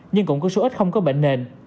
nhưng cũng có số ít không có bệnh nền